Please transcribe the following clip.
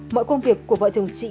mọi công việc của vợ chồng chị